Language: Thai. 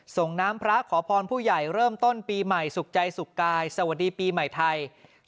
ส่งน้ำพระขอพรผู้ใหญ่เริ่มต้นปีใหม่สุขใจสุขกายสวัสดีปีใหม่ไทย